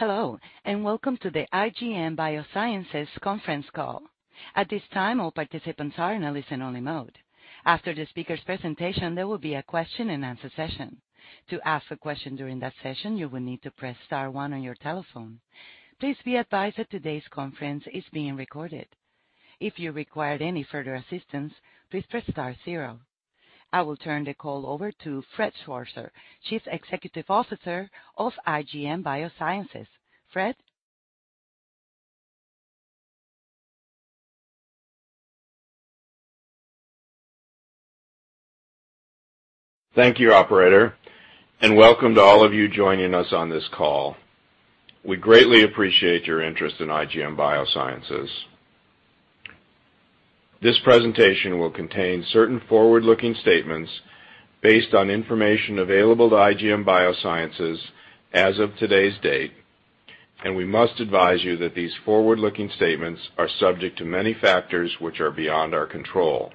Hello, and welcome to the IGM Biosciences conference call. At this time, all participants are in a listen only mode. After the speaker's presentation, there will be a question-and-answer session. To ask a question during that session, you will need to press star one on your telephone. Please be advised that today's conference is being recorded. If you require any further assistance, please press star zero. I will turn the call over to Fred Schwarzer, Chief Executive Officer of IGM Biosciences. Fred? Thank you, operator, and welcome to all of you joining us on this call. We greatly appreciate your interest in IGM Biosciences. This presentation will contain certain forward-looking statements based on information available to IGM Biosciences as of today's date, and we must advise you that these forward-looking statements are subject to many factors which are beyond our control.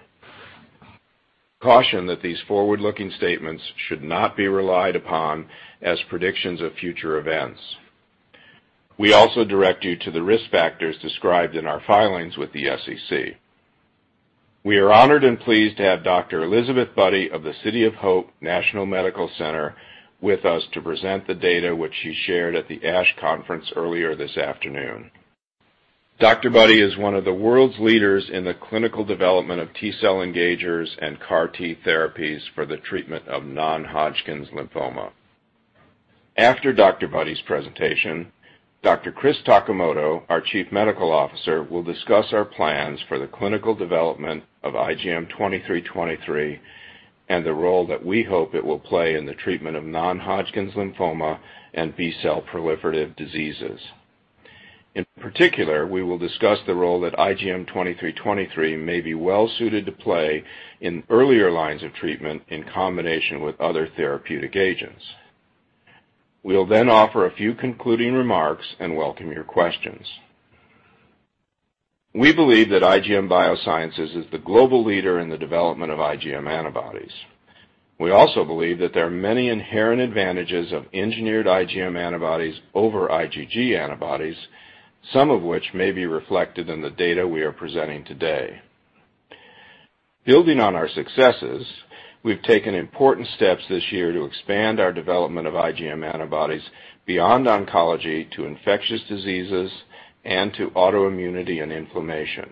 Caution that these forward-looking statements should not be relied upon as predictions of future events. We also direct you to the risk factors described in our filings with the SEC. We are honored and pleased to have Dr. Elizabeth Budde of the City of Hope National Medical Center with us to present the data which she shared at the ASH conference earlier this afternoon. Dr. Budde is one of the world's leaders in the clinical development of T-cell engagers and CAR T therapies for the treatment of non-Hodgkin's lymphoma. After Dr. Budde's presentation, Dr. Chris Takimoto, our Chief Medical Officer, will discuss our plans for the clinical development of IGM-2323 and the role that we hope it will play in the treatment of non-Hodgkin's lymphoma and B-cell proliferative diseases. In particular, we will discuss the role that IGM-2323 may be well suited to play in earlier lines of treatment in combination with other therapeutic agents. We'll then offer a few concluding remarks and welcome your questions. We believe that IGM Biosciences is the global leader in the development of IGM antibodies. We also believe that there are many inherent advantages of engineered IGM antibodies over IgG antibodies, some of which may be reflected in the data we are presenting today. Building on our successes, we've taken important steps this year to expand our development of IGM antibodies beyond oncology to infectious diseases and to autoimmunity and inflammation.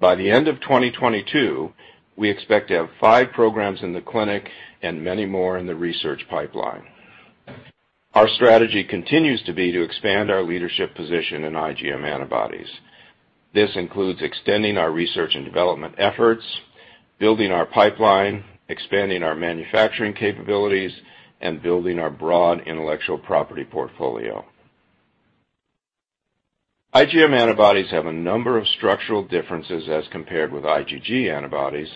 By the end of 2022, we expect to have five programs in the clinic and many more in the research pipeline. Our strategy continues to be to expand our leadership position in IgM antibodies. This includes extending our research and development efforts, building our pipeline, expanding our manufacturing capabilities, and building our broad intellectual property portfolio. IgM antibodies have a number of structural differences as compared with IgG antibodies,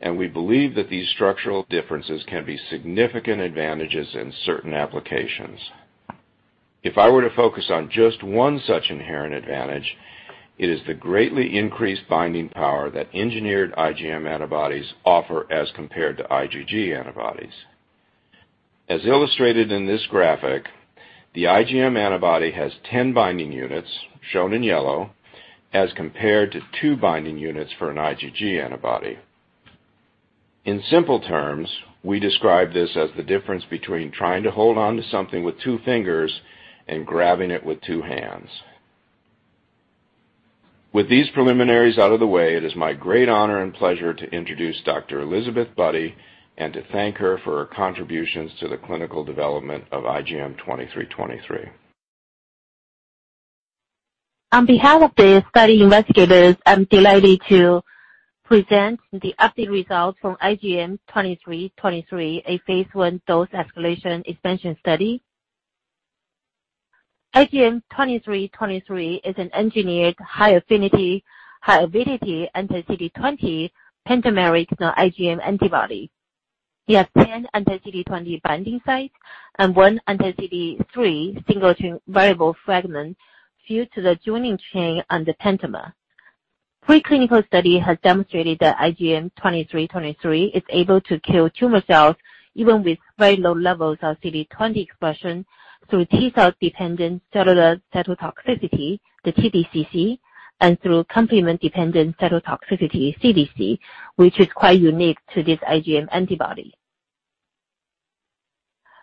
and we believe that these structural differences can be significant advantages in certain applications. If I were to focus on just one such inherent advantage, it is the greatly increased binding power that engineered IgM antibodies offer as compared to IgG antibodies. As illustrated in this graphic, the IgM antibody has 10 binding units, shown in yellow, as compared to 2 binding units for an IgG antibody. In simple terms, we describe this as the difference between trying to hold onto something with two fingers and grabbing it with two hands. With these preliminaries out of the way, it is my great honor and pleasure to introduce Dr. Elizabeth Budde and to thank her for her contributions to the clinical development of IGM-2323. On behalf of the study investigators, I'm delighted to present the updated results from IGM-2323, a phase I dose-escalation expansion study. IGM-2323 is an engineered high-affinity, high-avidity anti-CD20 pentameric IgM antibody. You have 10 anti-CD20 binding sites and one anti-CD3 single variable fragment fused to the joining chain and the pentamer. Pre-clinical study has demonstrated that IGM-2323 is able to kill tumor cells even with very low levels of CD20 expression through T-cell-dependent cellular cytotoxicity, the TDCC, and through complement-dependent cytotoxicity, CDC, which is quite unique to this IGM antibody.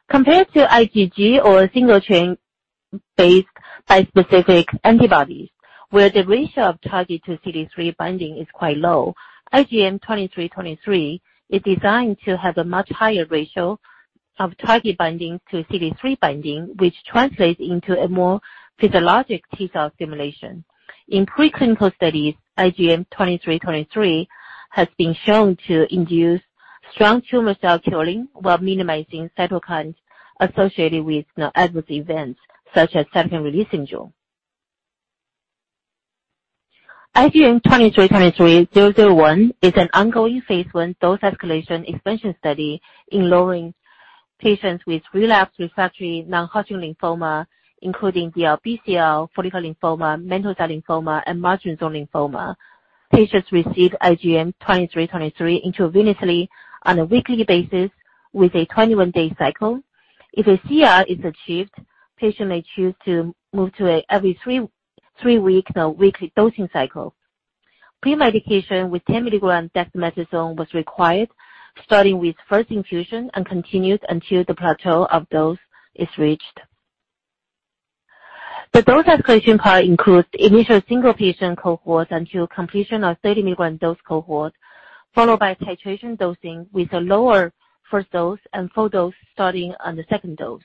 Compared to IgG or single chain-based bispecific antibodies, where the ratio of target to CD3 binding is quite low, IGM-2323 is designed to have a much higher ratio of target binding to CD3 binding, which translates into a more physiologic T-cell stimulation. In preclinical studies, IGM-2323 has been shown to induce strong tumor cell killing while minimizing cytokines associated with no adverse events such as cytokine release syndrome. IGM-2323-001 is an ongoing phase I dose-escalation expansion study enrolling patients with relapsed refractory non-Hodgkin's lymphoma including DLBCL, follicular lymphoma, mantle cell lymphoma, and marginal zone lymphoma. Patients received IGM-2323 intravenously on a weekly basis with a 21-day cycle. If a CR is achieved, patient may choose to move to a every three-week weekly dosing cycle. Premedication with 10 mg dexamethasone was required starting with first infusion and continued until the plateau of dose is reached. The dose escalation part includes initial single patient cohorts until completion of 30 mg dose cohort, followed by titration dosing with a lower first dose and full dose starting on the second dose.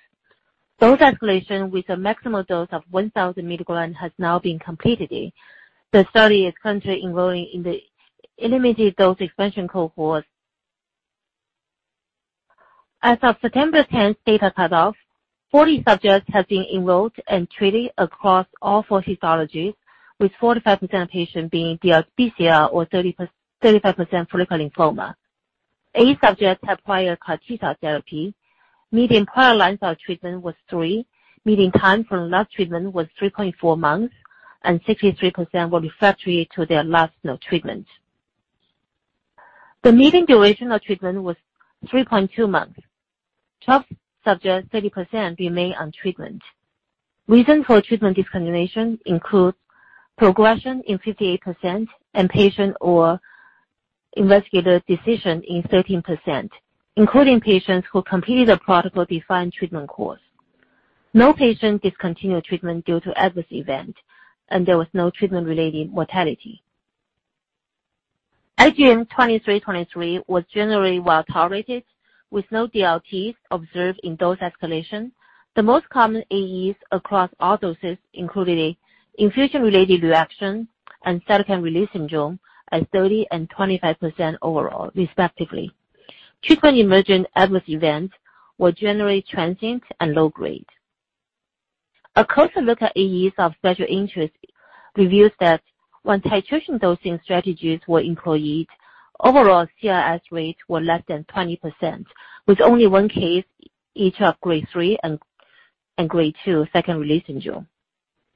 Dose escalation with a maximum dose of 1000 milligrams has now been completed. The study is currently enrolling in the limited dose expansion cohort. As of September 10 data cutoff, 40 subjects have been enrolled and treated across all four histologies, with 45% of patients being DLBCL or 35% follicular lymphoma. Eight subjects have prior CAR T-cell therapy. Median prior lines of treatment was 3. Median time for last treatment was 3.4 months, and 63% were refractory to their last known treatment. The median duration of treatment was 3.2 months. 12 subjects, 30%, remain on treatment. Reason for treatment discontinuation include progression in 58% and patient or investigator decision in 13%, including patients who completed a protocol-defined treatment course. No patient discontinued treatment due to adverse event, and there was no treatment-related mortality. IGM-2323 was generally well-tolerated, with no DLTs observed in dose escalation. The most common AEs across all doses included infusion-related reaction and cytokine release syndrome at 30% and 25% overall, respectively. Treatment-emergent adverse events were generally transient and low-grade. A closer look at AEs of special interest reveals that when titration dosing strategies were employed, overall CRS rates were less than 20%, with only one case each of grade 3 and grade 2 cytokine release syndrome.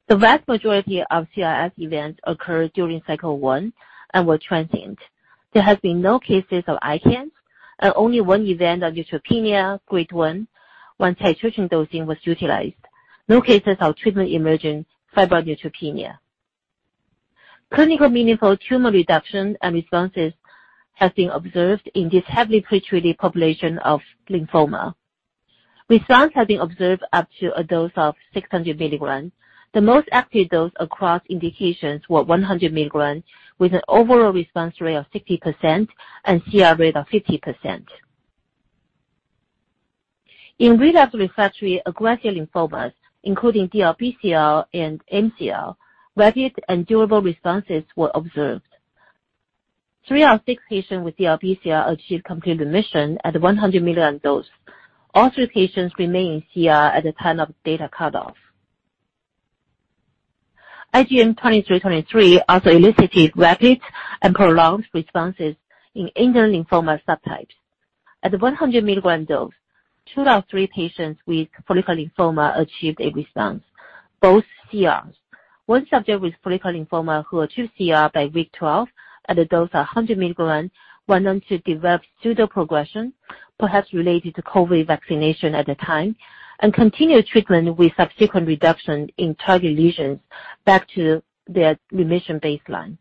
The vast majority of CRS events occurred during cycle one and were transient. There have been no cases of ICANS and only one event of neutropenia grade 1 when titration dosing was utilized. No cases of treatment-emergent febrile neutropenia. Clinically meaningful tumor reduction and responses have been observed in this heavily pretreated population of lymphoma. Responses have been observed up to a dose of 600 milligrams. The most active dose across indications were 100 milligrams, with an overall response rate of 60% and CR rate of 50%. In relapsed refractory aggressive lymphomas, including DLBCL and MCL, rapid and durable responses were observed. Three of six patients with DLBCL achieved complete remission at the 100 milligram dose. All three patients remain CR at the time of data cutoff. IGM-2323 also elicited rapid and prolonged responses in indolent lymphoma subtypes. At the 100 milligram dose, two of three patients with follicular lymphoma achieved a response, both CRs. One subject with follicular lymphoma who achieved CR by week 12 at a dose of 100 milligrams went on to develop pseudoprogression, perhaps related to COVID vaccination at the time, and continued treatment with subsequent reduction in target lesions back to their remission baseline.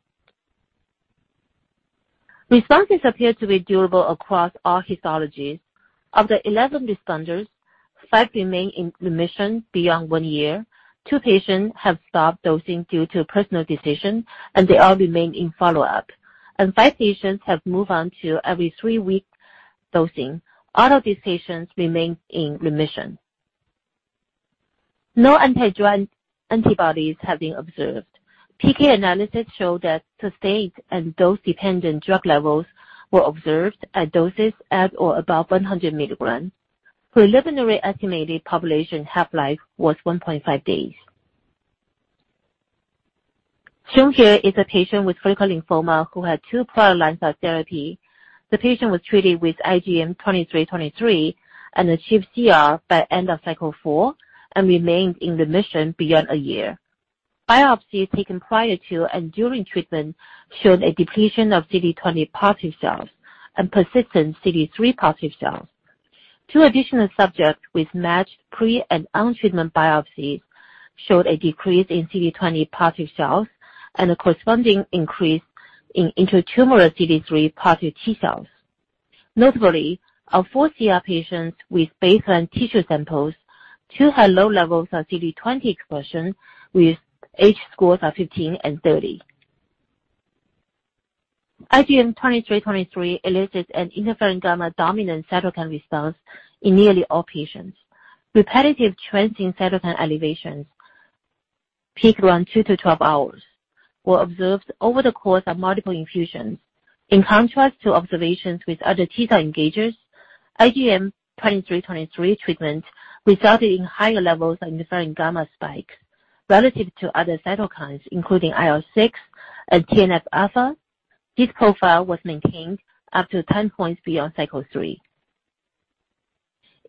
Responses appear to be durable across all histologies. Of the 11 responders, five remain in remission beyond one year. Two patients have stopped dosing due to personal decision, and they all remain in follow-up. Five patients have moved on to every three-week dosing. All of these patients remain in remission. No anti-drug antibodies have been observed. PK analysis showed that sustained and dose-dependent drug levels were observed at doses at or above 100 milligrams. Preliminary estimated population half-life was 1.5 days. Shown here is a patient with follicular lymphoma who had two prior lines of therapy. The patient was treated with IGM-2323 and achieved CR by end of cycle four and remains in remission beyond a year. Biopsies taken prior to and during treatment showed a depletion of CD20-positive cells and persistent CD3-positive cells. Two additional subjects with matched pre- and on-treatment biopsies showed a decrease in CD20 positive cells and a corresponding increase in intratumoral CD3 positive T-cells. Notably, of four CR patients with baseline tissue samples, two had low levels of CD20 expression with H-scores of 15 and 30. IGM 2323 elicited an interferon gamma dominant cytokine response in nearly all patients. Repetitive transient cytokine elevations, peak around two to 12 hours, were observed over the course of multiple infusions. In contrast to observations with other T-cell engagers, IGM 2323 treatment resulted in higher levels of interferon gamma spike relative to other cytokines, including IL-6 and TNF alpha. This profile was maintained up to time points beyond cycle three.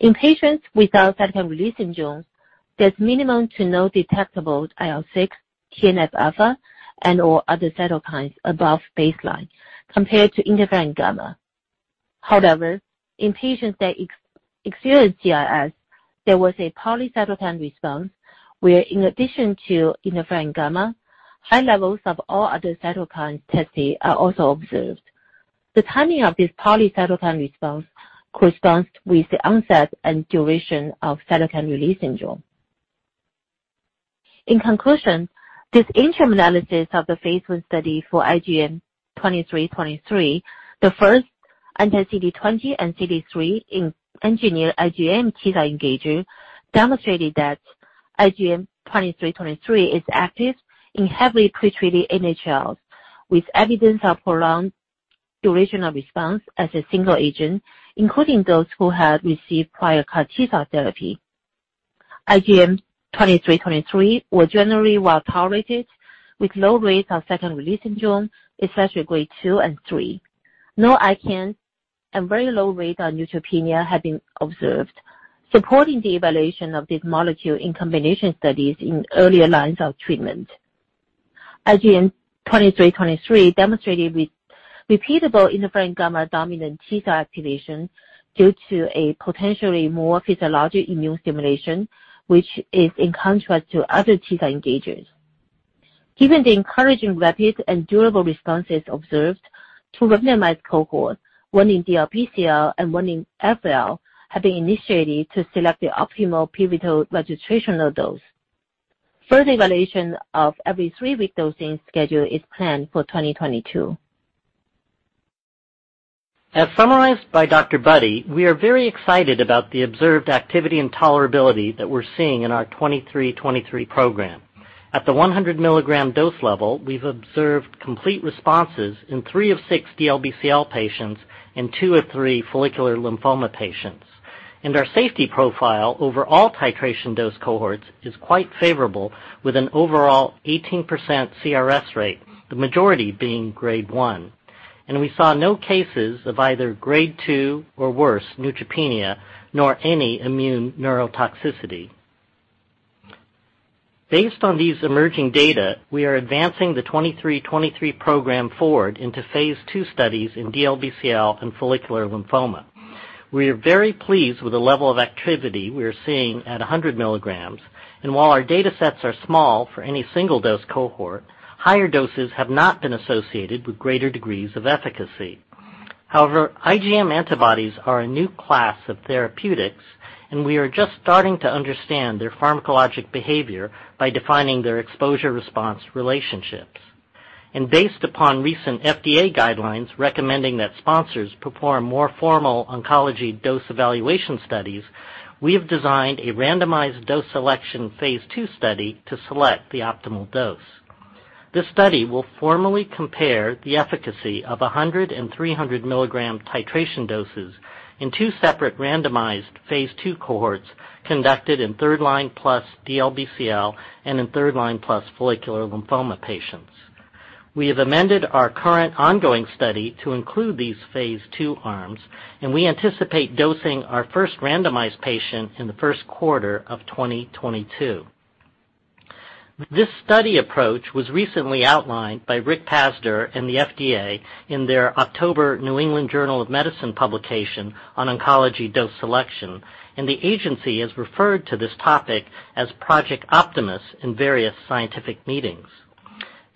In patients without cytokine release syndrome, there's minimum to no detectable IL-6, TNF alpha, and/or other cytokines above baseline compared to interferon gamma. However, in patients that experience CRS, there was a polycytokine response, where in addition to interferon-gamma, high levels of all other cytokine testing are also observed. The timing of this polycytokine response corresponds with the onset and duration of cytokine release syndrome. In conclusion, this interim analysis of the phase I study for IGM-2323, the first anti-CD20 and CD3 engineered IgM T-cell engager, demonstrated that IGM-2323 is active in heavily pretreated NHLs, with evidence of prolonged duration of response as a single agent, including those who had received prior CAR T-cell therapy. IGM-2323 was generally well-tolerated, with low rates of cytokine release syndrome, especially grade 2 and 3. No ICANS and very low rate of neutropenia have been observed, supporting the evaluation of this molecule in combination studies in earlier lines of treatment. IGM-2323 demonstrated repeatable interferon-gamma-dominant T-cell activation due to a potentially more physiologic immune stimulation, which is in contrast to other T-cell engagers. Given the encouraging, rapid, and durable responses observed, two randomized cohorts, one in DLBCL and one in FL, have been initiated to select the optimal pivotal registrational dose. Further evaluation of every three-week dosing schedule is planned for 2022. As summarized by Dr. Budde, we are very excited about the observed activity and tolerability that we're seeing in our 2323 program. At the 100 mg dose level, we've observed complete responses in three of six DLBCL patients and two of three follicular lymphoma patients. Our safety profile over all titration dose cohorts is quite favorable, with an overall 18% CRS rate, the majority being grade 1. We saw no cases of either grade 2 or worse neutropenia, nor any immune neurotoxicity. Based on these emerging data, we are advancing the 2323 program forward into phase II studies in DLBCL and follicular lymphoma. We are very pleased with the level of activity we are seeing at 100 mg, and while our datasets are small for any single-dose cohort, higher doses have not been associated with greater degrees of efficacy. However, IgM antibodies are a new class of therapeutics, and we are just starting to understand their pharmacologic behavior by defining their exposure-response relationships. Based upon recent FDA guidelines recommending that sponsors perform more formal oncology dose evaluation studies, we have designed a randomized dose selection phase II study to select the optimal dose. This study will formally compare the efficacy of 100 and 300 milligram titration doses in two separate randomized phase II cohorts conducted in third-line plus DLBCL and in third-line plus follicular lymphoma patients. We have amended our current ongoing study to include these phase II arms, and we anticipate dosing our first randomized patient in the first quarter of 2022. This study approach was recently outlined by Rick Pazdur in the FDA in their October New England Journal of Medicine publication on oncology dose selection, and the agency has referred to this topic as Project Optimus in various scientific meetings.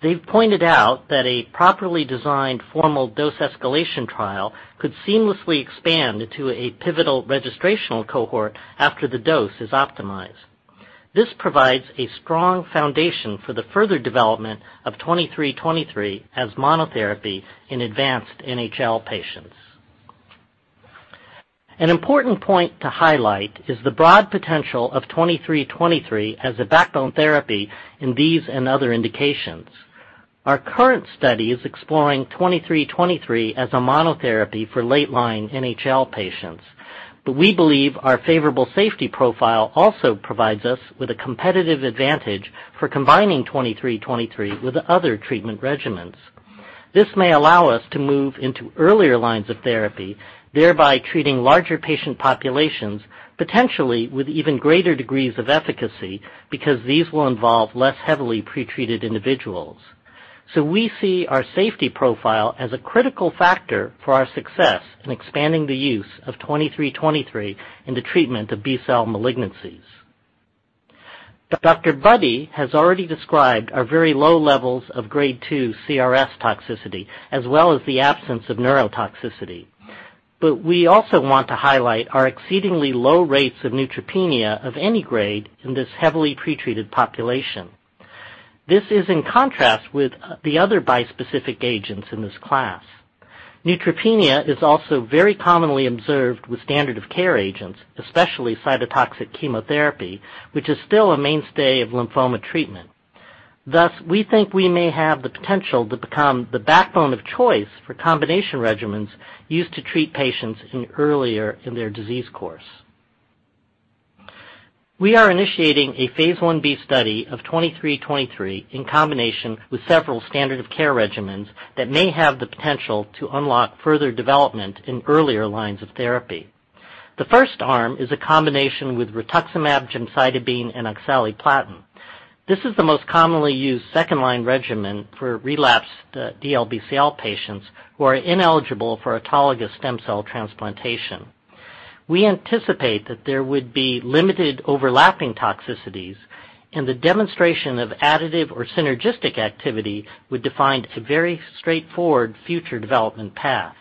They've pointed out that a properly designed formal dose escalation trial could seamlessly expand into a pivotal registrational cohort after the dose is optimized. This provides a strong foundation for the further development of twenty-three twenty-three as monotherapy in advanced NHL patients. An important point to highlight is the broad potential of twenty-three twenty-three as a backbone therapy in these and other indications. Our current study is exploring twenty-three twenty-three as a monotherapy for late line NHL patients, but we believe our favorable safety profile also provides us with a competitive advantage for combining twenty-three twenty-three with other treatment regimens. This may allow us to move into earlier lines of therapy, thereby treating larger patient populations, potentially with even greater degrees of efficacy, because these will involve less heavily pretreated individuals. We see our safety profile as a critical factor for our success in expanding the use of 2323 in the treatment of B-cell malignancies. Dr. Budde has already described our very low levels of grade 2 CRS toxicity, as well as the absence of neurotoxicity, but we also want to highlight our exceedingly low rates of neutropenia of any grade in this heavily pretreated population. This is in contrast with the other bispecific agents in this class. Neutropenia is also very commonly observed with standard of care agents, especially cytotoxic chemotherapy, which is still a mainstay of lymphoma treatment. Thus, we think we may have the potential to become the backbone of choice for combination regimens used to treat patients earlier in their disease course. We are initiating a phase Ib study of IGM-2323 in combination with several standard of care regimens that may have the potential to unlock further development in earlier lines of therapy. The first arm is a combination with rituximab, gemcitabine, and oxaliplatin. This is the most commonly used second-line regimen for relapsed DLBCL patients who are ineligible for autologous stem cell transplantation. We anticipate that there would be limited overlapping toxicities, and the demonstration of additive or synergistic activity would define a very straightforward future development path.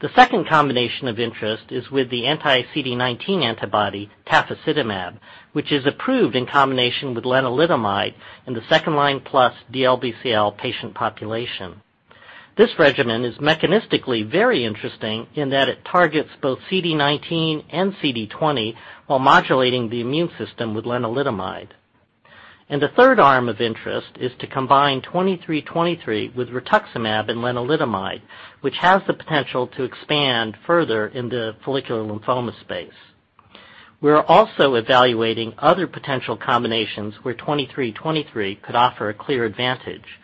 The second combination of interest is with the anti-CD19 antibody tafasitamab, which is approved in combination with lenalidomide in the second-line plus DLBCL patient population. This regimen is mechanistically very interesting in that it targets both CD19 and CD20 while modulating the immune system with lenalidomide. The third arm of interest is to combine IGM-2323 with rituximab and lenalidomide, which has the potential to expand further in the follicular lymphoma space. We are also evaluating other potential combinations where IGM-2323 could offer a clear advantage.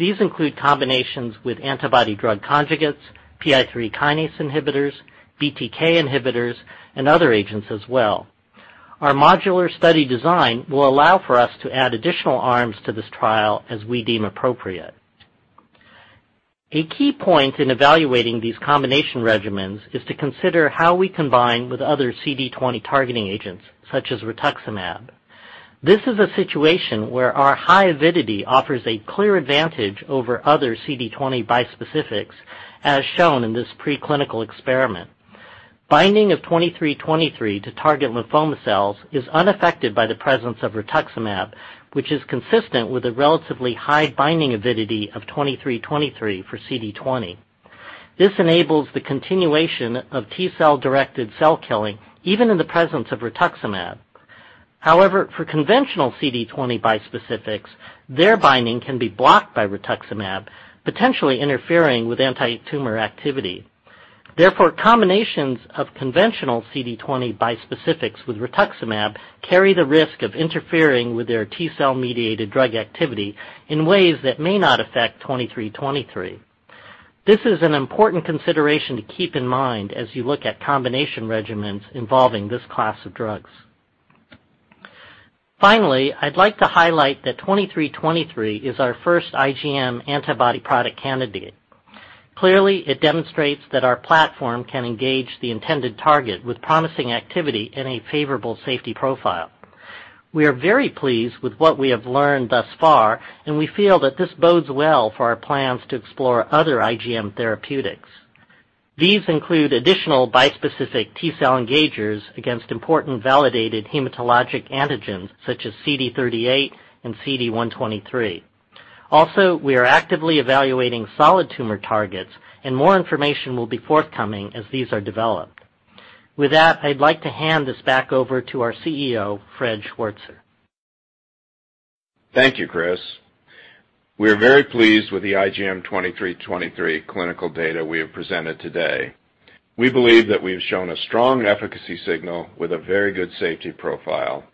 These include combinations with antibody-drug conjugates, PI3K inhibitors, BTK inhibitors, and other agents as well. Our modular study design will allow for us to add additional arms to this trial as we deem appropriate. A key point in evaluating these combination regimens is to consider how we combine with other CD20 targeting agents, such as rituximab. This is a situation where our high avidity offers a clear advantage over other CD20 bispecifics, as shown in this preclinical experiment. Binding of IGM-2323 to target lymphoma cells is unaffected by the presence of rituximab, which is consistent with the relatively high binding avidity of IGM-2323 for CD20. This enables the continuation of T-cell-directed cell killing even in the presence of rituximab. However, for conventional CD20 bispecifics, their binding can be blocked by rituximab, potentially interfering with antitumor activity. Therefore, combinations of conventional CD20 bispecifics with rituximab carry the risk of interfering with their T-cell-mediated drug activity in ways that may not affect IGM-2323. This is an important consideration to keep in mind as you look at combination regimens involving this class of drugs. Finally, I'd like to highlight that IGM-2323 is our first IGM antibody product candidate. Clearly, it demonstrates that our platform can engage the intended target with promising activity and a favorable safety profile. We are very pleased with what we have learned thus far, and we feel that this bodes well for our plans to explore other IGM therapeutics. These include additional bispecific T-cell engagers against important validated hematologic antigens such as CD38 and CD123. Also, we are actively evaluating solid tumor targets, and more information will be forthcoming as these are developed. With that, I'd like to hand this back over to our CEO, Fred Schwarzer. Thank you, Chris. We are very pleased with the IGM-2323 clinical data we have presented today. We believe that we've shown a strong efficacy signal with a very good safety profile,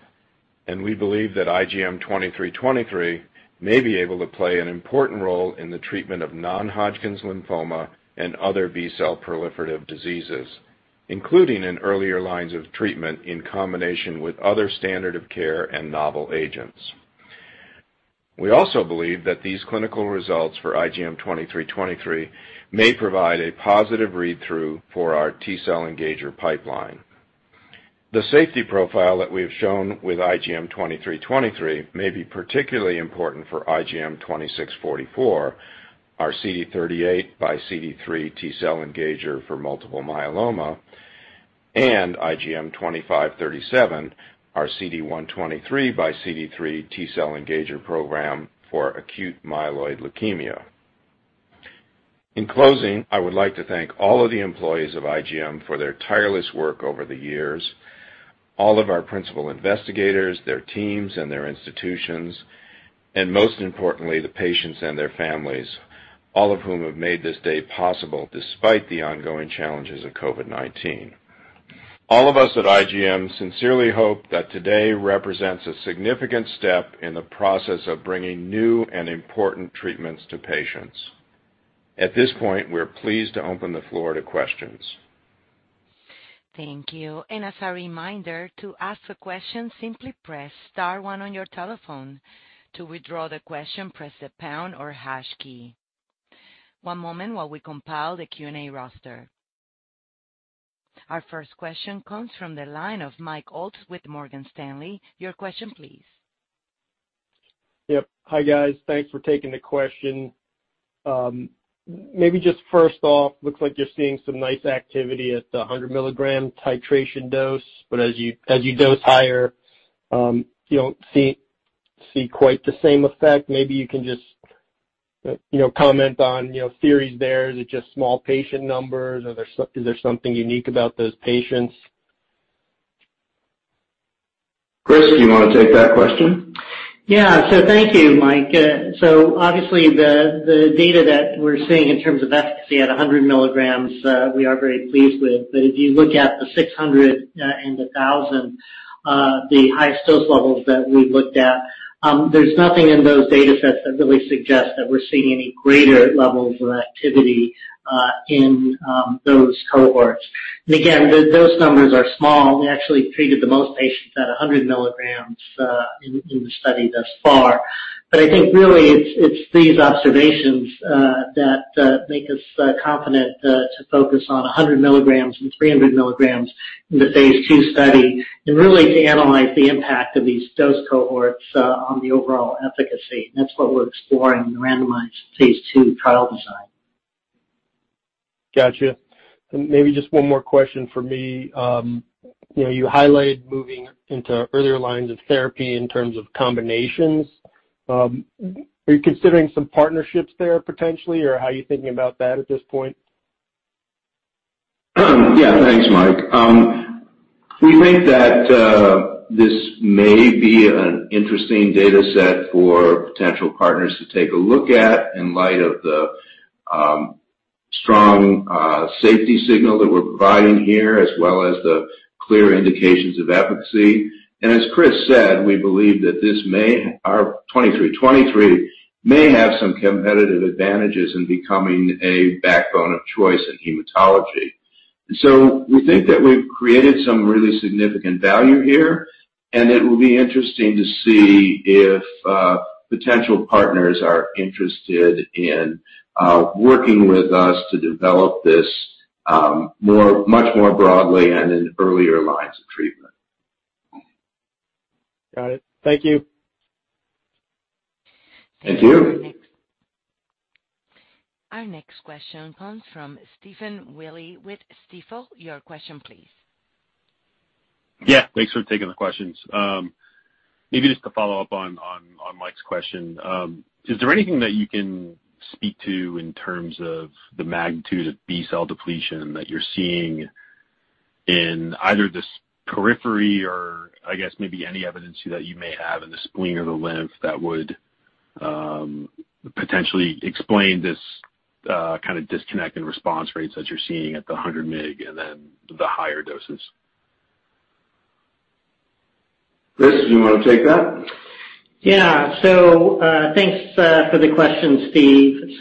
and we believe that IGM-2323 may be able to play an important role in the treatment of non-Hodgkin's lymphoma and other B-cell proliferative diseases, including in earlier lines of treatment in combination with other standard of care and novel agents. We also believe that these clinical results for IGM-2323 may provide a positive read-through for our T-cell engager pipeline. The safety profile that we have shown with IGM-2323 may be particularly important for IGM-2644, our CD38 x CD3 T-cell engager for multiple myeloma, and IGM-2537, our CD123 x CD3 T-cell engager program for acute myeloid leukemia. In closing, I would like to thank all of the employees of IGM for their tireless work over the years, all of our principal investigators, their teams, and their institutions, and most importantly, the patients and their families, all of whom have made this day possible despite the ongoing challenges of COVID-19. All of us at IGM sincerely hope that today represents a significant step in the process of bringing new and important treatments to patients. At this point, we are pleased to open the floor to questions. Thank you. As a reminder, to ask a question, simply press star one on your telephone. To withdraw the question, press the pound or hash key. One moment while we compile the Q&A roster. Our first question comes from the line of Mike Ault with Morgan Stanley. Your question please. Yep. Hi, guys. Thanks for taking the question. Maybe just first off, looks like you're seeing some nice activity at the 100 milligram titration dose, but as you dose higher, you don't see quite the same effect. Maybe you can just, you know, comment on, you know, theories there. Is it just small patient numbers? Is there something unique about those patients? Chris, do you wanna take that question? Yeah. Thank you, Mike. Obviously, the data that we're seeing in terms of efficacy at 100 milligrams, we are very pleased with. But if you look at the 600 and the 1,000, the highest dose levels that we've looked at, there's nothing in those data sets that really suggest that we're seeing any greater levels of activity in those cohorts. Again, those numbers are small. We actually treated the most patients at 100 milligrams in the study thus far. But I think really it's these observations that make us confident to focus on 100 milligrams and 300 milligrams in the phase II study and really to analyze the impact of these dose cohorts on the overall efficacy. That's what we're exploring in the randomized phase II trial design. Gotcha. Maybe just one more question from me. You know, you highlighted moving into earlier lines of therapy in terms of combinations. Are you considering some partnerships there potentially, or how are you thinking about that at this point? Yeah. Thanks, Mike. We think that this may be an interesting data set for potential partners to take a look at in light of the strong safety signal that we're providing here, as well as the clear indications of efficacy. As Chris said, we believe that this may. Our 2323 may have some competitive advantages in becoming a backbone of choice in hematology. We think that we've created some really significant value here, and it will be interesting to see if potential partners are interested in working with us to develop this more, much more broadly and in earlier lines of treatment. Got it. Thank you. Thank you. Thank you. Our next question comes from Stephen Willey with Stifel. Your question please. Yeah. Thanks for taking the questions. Maybe just to follow up on Mike's question. Is there anything that you can speak to in terms of the magnitude of B-cell depletion that you're seeing in either this periphery or I guess maybe any evidence that you may have in the spleen or the lymph that would potentially explain this kind of disconnect in response rates that you're seeing at the 100 mg and then the higher doses? Chris, do you wanna take that? Yeah. Thanks for the question, Steve. You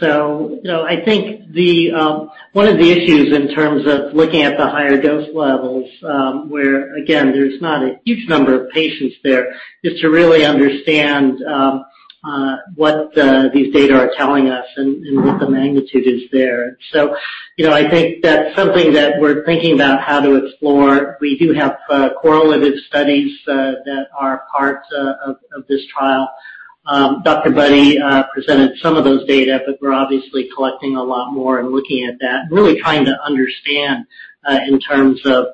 know, I think the one of the issues in terms of looking at the higher dose levels, where again, there's not a huge number of patients there, is to really understand what these data are telling us and what the magnitude is there. You know, I think that's something that we're thinking about how to explore. We do have correlative studies that are part of this trial. Dr. Budde presented some of those data, but we're obviously collecting a lot more and looking at that and really trying to understand in terms of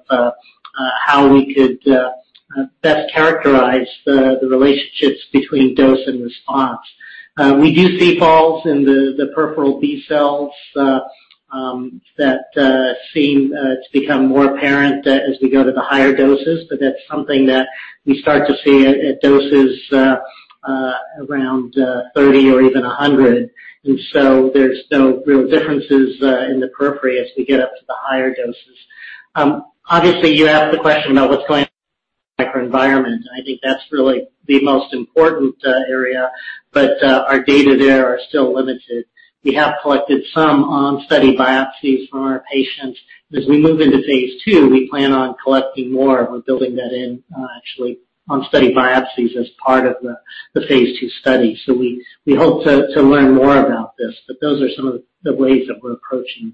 how we could best characterize the relationships between dose and response. We do see falls in the peripheral B cells that seem to become more apparent as we go to the higher doses, but that's something that we start to see at doses around 30 or even 100. There's no real differences in the periphery as we get up to the higher doses. Obviously you asked the question about what's going on in the microenvironment, and I think that's really the most important area. Our data there are still limited. We have collected some on study biopsies from our patients. As we move into phase II, we plan on collecting more. We're building that in, actually on study biopsies as part of the phase II study. We hope to learn more about this, but those are some of the ways that we're approaching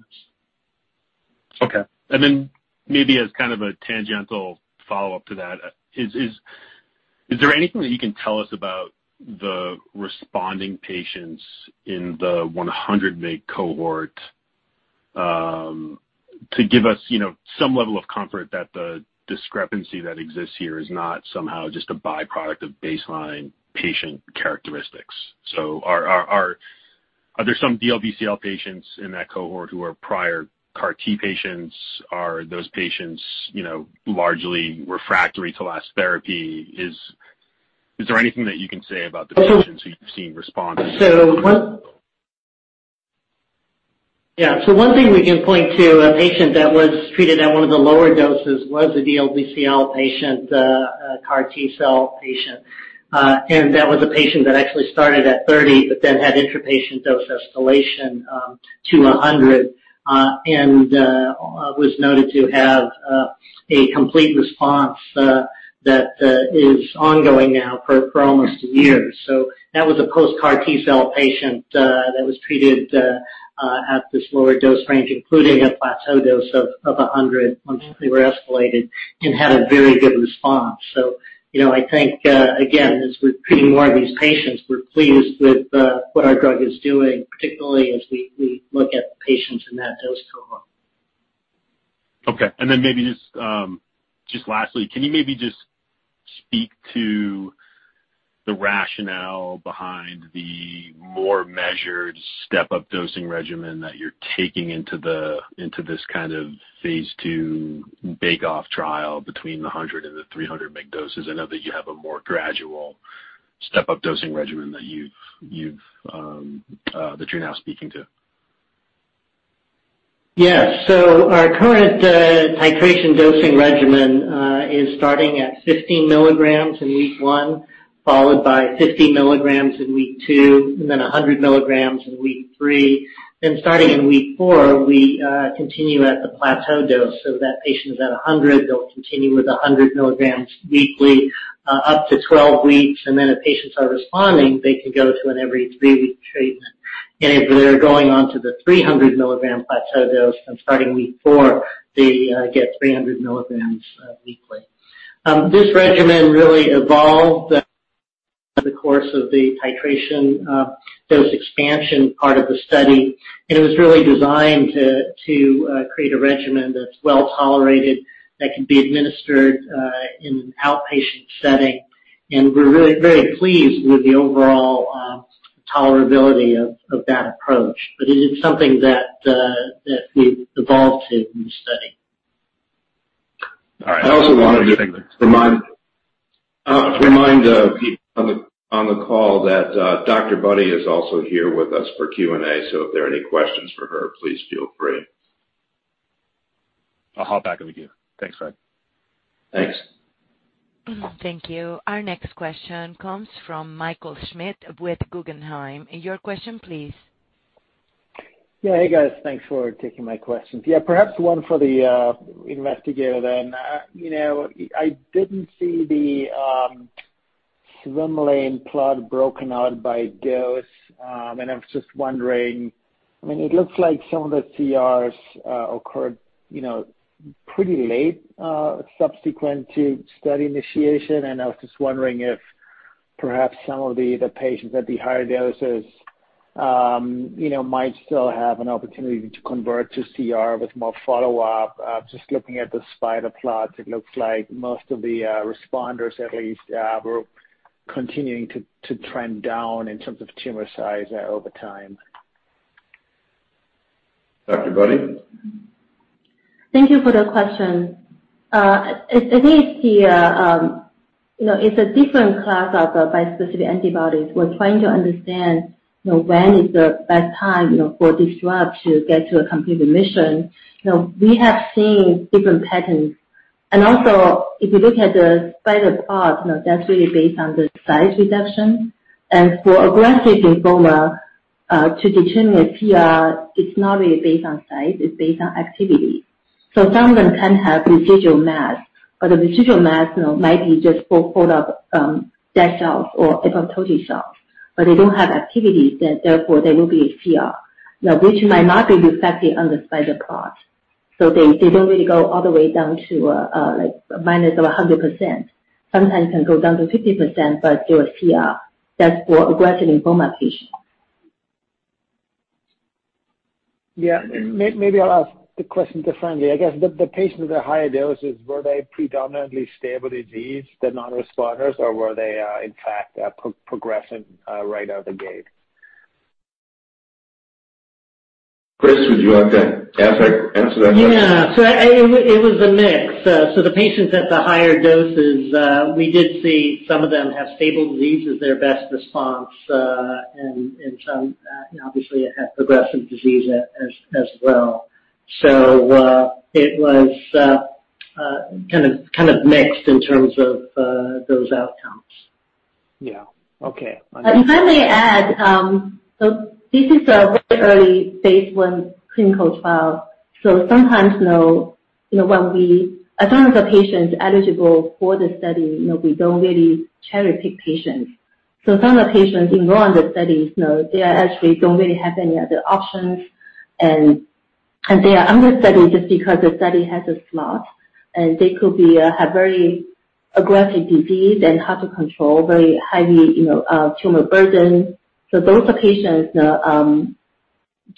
this. Okay. Maybe as kind of a tangential follow-up to that, is there anything that you can tell us about the responding patients in the 100 mg cohort, to give us, you know, some level of comfort that the discrepancy that exists here is not somehow just a byproduct of baseline patient characteristics? Are there some DLBCL patients in that cohort who are prior CAR T patients? Are those patients, you know, largely refractory to last therapy? Is there anything that you can say about the patients who you've seen respond to this regimen? One thing we can point to a patient that was treated at one of the lower doses was a DLBCL patient, a CAR T-cell patient. That was a patient that actually started at 30 but then had intrapatient dose escalation to 100 and was noted to have a complete response that is ongoing now for almost a year. That was a post-CAR T-cell patient that was treated at this lower dose range, including a plateau dose of 100 once they were escalated and had a very good response. You know, I think again, as we're treating more of these patients, we're pleased with what our drug is doing, particularly as we look at the patients in that dose cohort. Okay. Maybe just lastly, can you maybe just speak to the rationale behind the more measured step-up dosing regimen that you're taking into this kind of phase II bake-off trial between the 100 and the 300 mg doses? I know that you have a more gradual step-up dosing regimen that you've that you're now speaking to. Yes. Our current titration dosing regimen is starting at 15 mg in week 1, followed by 50 mg in week 2, and then 100 mg in week 3. Starting in week 4, we continue at the plateau dose. If that patient is at 100, they'll continue with 100 mg weekly, up to 12 weeks. If patients are responding, they can go to an every 3-week treatment. If they're going on to the 300 mg plateau dose and starting week 4, they get 300 mg weekly. This regimen really evolved over the course of the titration dose expansion part of the study. It was really designed to create a regimen that's well-tolerated, that can be administered in an outpatient setting. We're really very pleased with the overall tolerability of that approach. It is something that we've evolved to in the study. All right. I also wanted to remind people on the call that Dr. Budde is also here with us for Q&A. If there are any questions for her, please feel free. I'll hop back over to you. Thanks, Fred. Thanks. Thank you. Our next question comes from Michael Schmidt with Guggenheim. Your question please. Yeah. Hey, guys. Thanks for taking my questions. Yeah, perhaps one for the investigator then. You know, I didn't see the swim lane plot broken out by dose. I was just wondering, I mean, it looks like some of the CRs occurred, you know, pretty late subsequent to study initiation. I was just wondering if perhaps some of the patients at the higher doses, you know, might still have an opportunity to convert to CR with more follow-up. Just looking at the spider plots, it looks like most of the responders at least were continuing to trend down in terms of tumor size over time. Dr. Budde. Thank you for the question. You know, it's a different class of bispecific antibodies. We're trying to understand, you know, when is the best time, you know, for this drug to get to a complete remission. You know, we have seen different patterns. Also if you look at the spider plot, you know, that's really based on the size reduction. For aggressive lymphoma, to determine a CR, it's not really based on size, it's based on activity. So some of them can have residual mass, but the residual mass, you know, might be just full of dead cells or apoptotic cells, but they don't have activity then therefore they will be a CR. Now, which might not be reflected on the spider plot. They don't really go all the way down to, like minus 100%. Sometimes it can go down to 50%, but they're a CR. That's for aggressive lymphoma patients. Yeah. Maybe I'll ask the question differently. I guess the patients at higher doses were they predominantly stable disease, the non-responders? Or were they in fact progressing right out the gate? Chris, would you like to answer that question? It was a mix. The patients at the higher doses, we did see some of them have stable disease as their best response, and some obviously had progressive disease as well. It was kind of mixed in terms of those outcomes. Yeah. Okay. If I may add, this is a very early phase I clinical trial. Sometimes, you know, as long as a patient's eligible for the study, you know, we don't really cherry-pick patients. Some of the patients enroll on the studies, you know, they actually don't really have any other options, and they are on the study just because the study has a slot. They could have very aggressive disease and hard to control, very high, you know, tumor burden. Those are patients,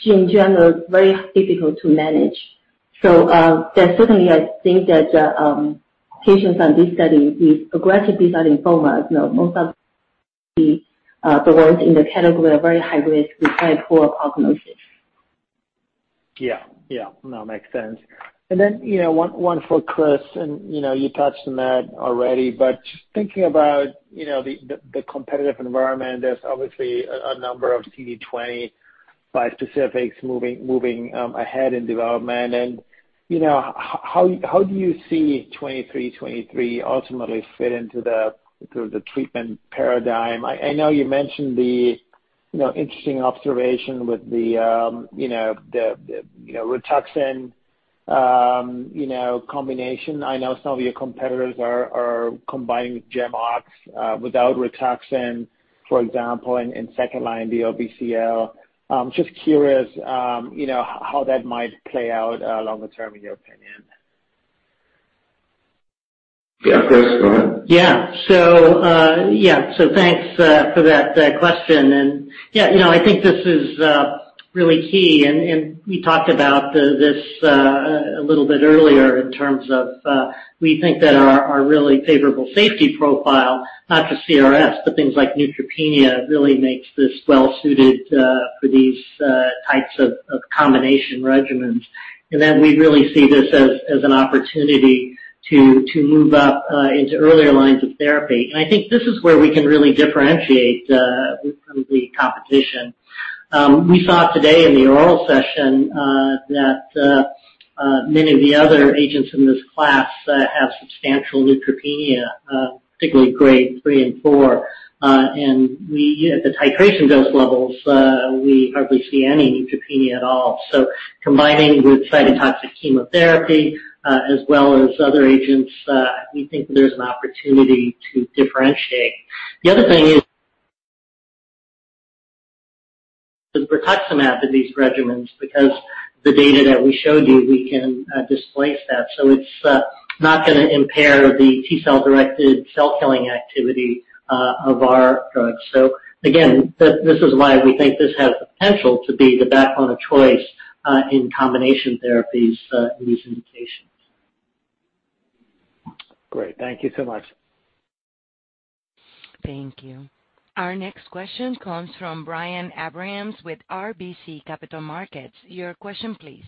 in general, very difficult to manage. There certainly I think that patients on this study with aggressive B-cell lymphomas, you know, most of the ones in the category are very high risk with very poor prognosis. Yeah. Yeah. No, makes sense. Then, you know, one for Chris, and, you know, you touched on that already, but just thinking about, you know, the competitive environment, there's obviously a number of CD20 bispecifics moving ahead in development. You know, how do you see 2323 ultimately fit into the treatment paradigm? I know you mentioned the interesting observation with the Rituxan combination. I know some of your competitors are combining with GemOx without Rituxan, for example, in second-line DLBCL. Just curious, you know, how that might play out longer term, in your opinion. Yeah. Chris, go ahead. Yeah. Thanks for that question. Yeah, you know, I think this is really key, and we talked about this a little bit earlier in terms of we think that our really favorable safety profile, not just CRS, but things like neutropenia, really makes this well suited for these types of combination regimens. Then we really see this as an opportunity to move up into earlier lines of therapy. I think this is where we can really differentiate the competition. We saw today in the oral session that many of the other agents in this class have substantial neutropenia, particularly grade 3 and 4. We, at the titration dose levels, hardly see any neutropenia at all. Combining with cytotoxic chemotherapy, as well as other agents, we think there's an opportunity to differentiate. The other thing is the rituximab in these regimens, because the data that we showed you, we can displace that. It's not gonna impair the T-cell directed cell killing activity of our drugs. Again, this is why we think this has the potential to be the backbone of choice in combination therapies in these indications. Great. Thank you so much. Thank you. Our next question comes from Brian Abrahams with RBC Capital Markets. Your question please.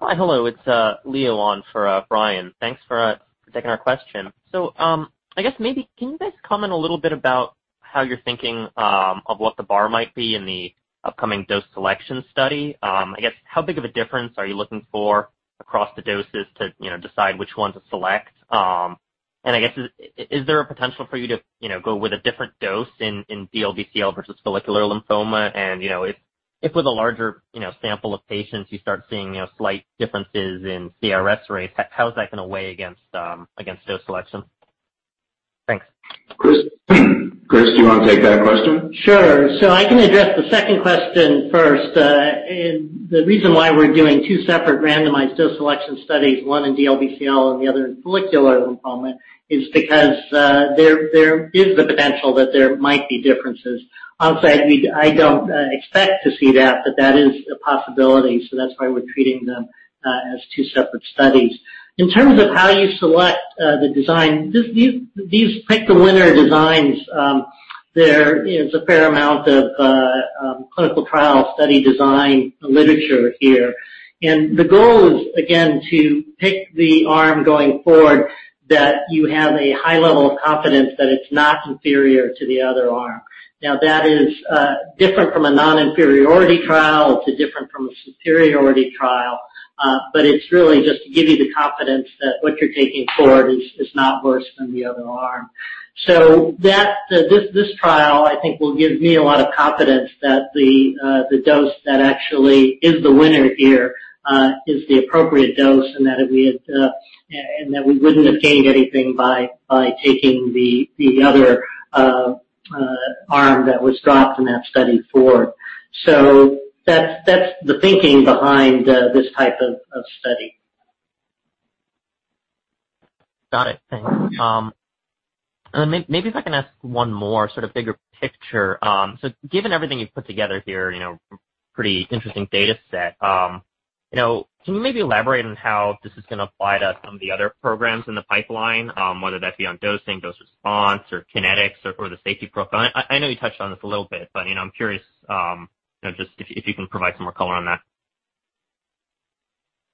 Hi. Hello, it's Leo on for Brian. Thanks for taking our question. I guess maybe can you guys comment a little bit about how you're thinking of what the bar might be in the upcoming dose selection study? I guess how big of a difference are you looking for across the doses to, you know, decide which one to select? I guess is there a potential for you to, you know, go with a different dose in DLBCL versus follicular lymphoma? You know, if with a larger sample of patients, you start seeing, you know, slight differences in CRS rates, how is that gonna weigh against dose selection? Thanks. Chris? Chris, do you wanna take that question? Sure. I can address the second question first. The reason why we're doing two separate randomized dose selection studies, one in DLBCL and the other in follicular lymphoma, is because there is the potential that there might be differences. I'll say we I don't expect to see that, but that is a possibility. That's why we're treating them as two separate studies. In terms of how you select the design, these pick the winner designs, there is a fair amount of clinical trial study design literature here. The goal is, again, to pick the arm going forward that you have a high level of confidence that it's not inferior to the other arm. Now, that is different from a non-inferiority trial too different from a superiority trial. It's really just to give you the confidence that what you're taking forward is not worse than the other arm. This trial, I think, will give me a lot of confidence that the dose that actually is the winner here is the appropriate dose and that if we had and that we wouldn't have gained anything by taking the other arm that was dropped in that study forward. That's the thinking behind this type of study. Got it. Thanks. Maybe if I can ask one more sort of bigger picture. Given everything you've put together here, you know, pretty interesting data set, you know, can you maybe elaborate on how this is gonna apply to some of the other programs in the pipeline, whether that be on dosing, dose response or kinetics or the safety profile? I know you touched on this a little bit, but you know, I'm curious, you know, just if you can provide some more color on that.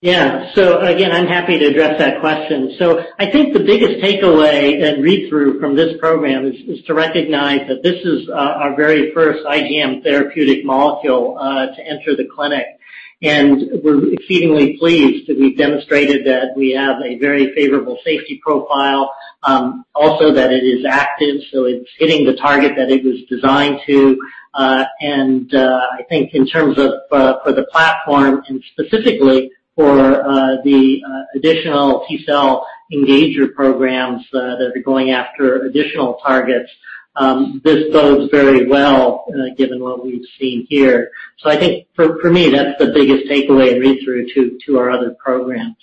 Yeah. Again, I'm happy to address that question. I think the biggest takeaway and read-through from this program is to recognize that this is our very first IgM therapeutic molecule to enter the clinic. We're exceedingly pleased that we've demonstrated that we have a very favorable safety profile. Also that it is active, so it's hitting the target that it was designed to. And I think in terms of for the platform and specifically for the additional T-cell engager programs that are going after additional targets, this bodes very well given what we've seen here. I think for me, that's the biggest takeaway and read-through to our other programs.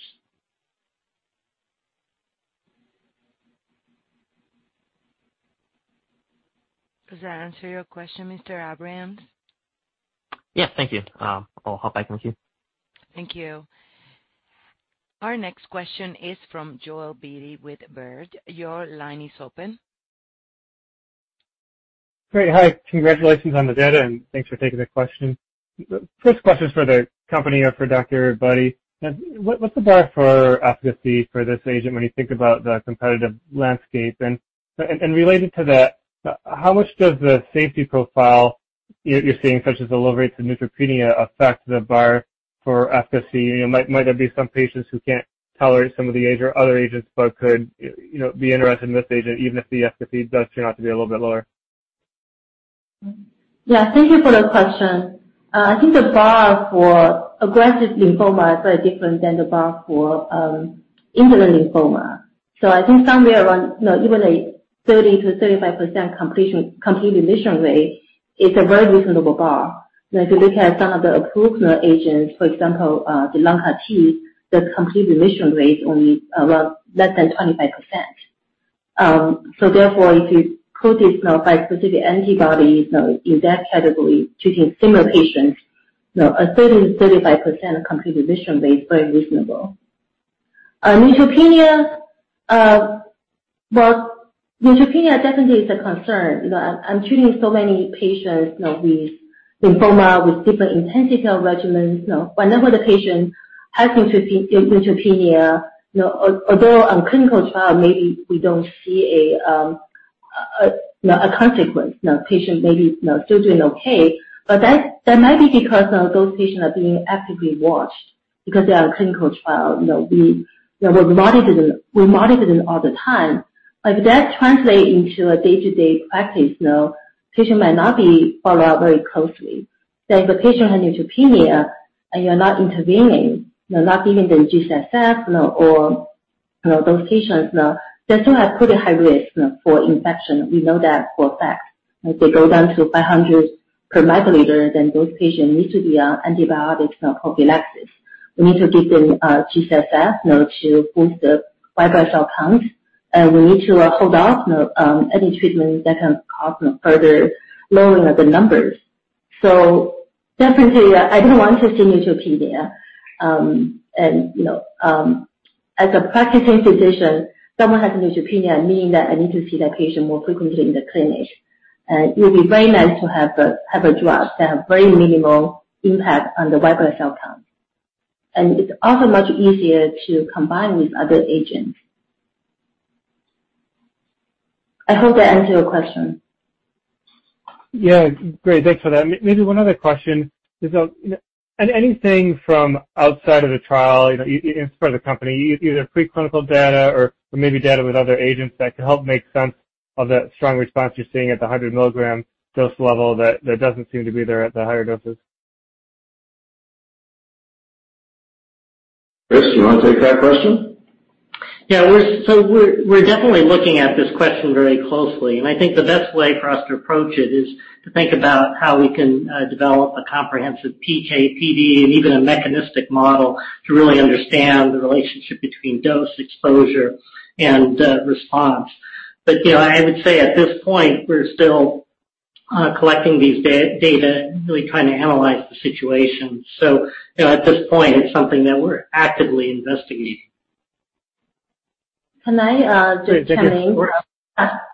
Does that answer your question, Mr. Leo? Yeah, thank you. I'll hop back in the queue. Thank you. Our next question is from Joel Beatty with Baird. Your line is open. Great. Hi. Congratulations on the data, and thanks for taking the question. First question is for the company or for Dr. Budde. What's the bar for efficacy for this agent when you think about the competitive landscape? Related to that, how much does the safety profile you're seeing, such as the low rates of neutropenia, affect the bar for efficacy? You know, might there be some patients who can't tolerate some of the other agents but could, you know, be interested in this agent even if the efficacy does turn out to be a little bit lower? Yeah. Thank you for the question. I think the bar for aggressive lymphoma is very different than the bar for indolent lymphoma. I think somewhere around, you know, even a 30%-35% complete remission rate is a very reasonable bar. Now, if you look at some of the approved agents, for example, the Len+R, the complete remission rate only around less than 25%. Therefore, if you put this, you know, bispecific antibody, you know, in that category, treating similar patients, you know, a 30%-35% complete remission rate is very reasonable. Neutropenia. Well, neutropenia definitely is a concern. You know, I'm treating so many patients, you know, with lymphoma, with different intensity of regimens. You know, whenever the patient has neutropenia, you know, although on clinical trial maybe we don't see a consequence. You know, patient may be, you know, still doing okay. That might be because those patients are being actively watched because they are on clinical trial. You know, they're monitored, we monitor them all the time. Like, that translate into a day-to-day practice. You know, patient might not be followed up very closely. If a patient had neutropenia and you're not intervening, you're not giving them G-CSF, you know, or, you know, those patients, you know, they still have pretty high risk for infection. We know that for a fact. If they go down to 500 per microliter, then those patients need to be on antibiotics, you know, prophylaxis. We need to give them G-CSF, you know, to boost the white blood cell count. We need to hold off any treatment that can cause further lowering of the numbers. Definitely, I don't want to see neutropenia. As a practicing physician, someone has neutropenia, meaning that I need to see that patient more frequently in the clinic. It would be very nice to have a drug that have very minimal impact on the white blood cell count. It's also much easier to combine with other agents. I hope that answered your question. Yeah. Great. Thanks for that. Maybe one other question. Is you know anything from outside of the trial, you know, inspiring the company, either preclinical data or maybe data with other agents that could help make sense of the strong response you're seeing at the 100 milligram dose level that doesn't seem to be there at the higher doses? Chris, you wanna take that question? We're definitely looking at this question very closely. I think the best way for us to approach it is to think about how we can develop a comprehensive PK/PD and even a mechanistic model to really understand the relationship between dose, exposure, and response. You know, I would say at this point, we're still collecting these data and really trying to analyze the situation. You know, at this point, it's something that we're actively investigating. Can I just chime in? Sure.